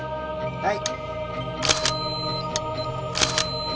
はい。